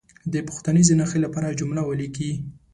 د پوښتنیزې نښې لپاره جمله ولیکي.